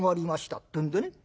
ってんでね